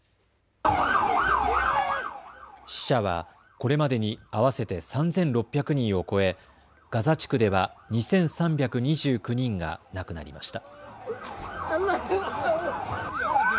死者はこれまでに合わせて３６００人を超え、ガザ地区では２３２９人が亡くなりました。